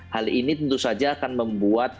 hal ini tentu saja akan membuat